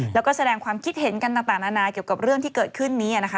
แล้วก็แสดงความคิดเห็นกันต่างนานาเกี่ยวกับเรื่องที่เกิดขึ้นนี้นะคะ